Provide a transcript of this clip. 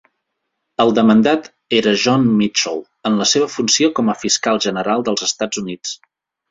El demandat era John Mitchell en la seva funció com a fiscal general dels Estats Units.